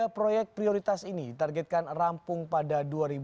tiga proyek prioritas ini targetkan rampung pada dua ribu sembilan belas